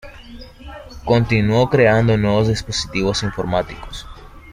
Continuó creando nuevos dispositivos informáticos.